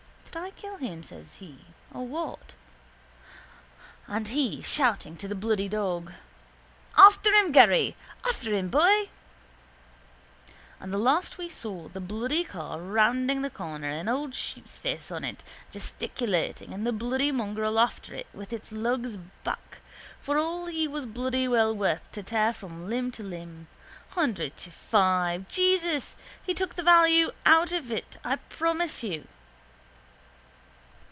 —Did I kill him, says he, or what? And he shouting to the bloody dog: —After him, Garry! After him, boy! And the last we saw was the bloody car rounding the corner and old sheepsface on it gesticulating and the bloody mongrel after it with his lugs back for all he was bloody well worth to tear him limb from limb. Hundred to five! Jesus, he took the value of it out of him, I promise you.